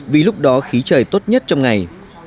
vì lúc đó khí trời tốt nhất trong ngày